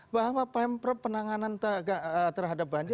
bahwa penanganan terhadap banjir